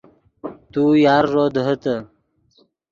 تو یارݱو دیہیتے